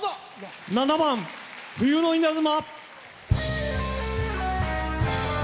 ７番「冬の稲妻」。